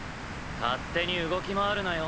勝手に動き回るなよ。